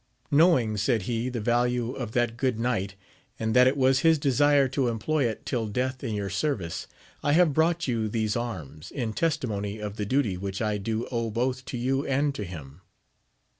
AMADIS OF GAUL. 295 Knowing, said he, the value of that good knight, and that it was his desire to employ it till death in your service, I have brought you these arms, in testimony of the duty which I do owe both to you and to him.